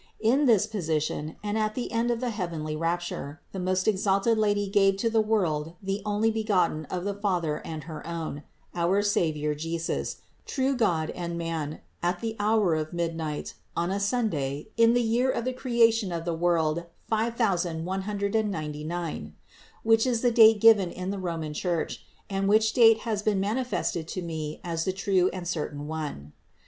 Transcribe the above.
In this position, and at the end of the heavenly rapture, the most exalted Lady gave to the world the Onlybegotten of the Father and her own, our Savior Jesus, true God and man, at the hour of midnight, on a Sunday, in the year of the creation of the world five thousand one hun dred and ninety nine (5199), which is the date given in the Roman Church, and which date has been manifested to me as the true and certain one.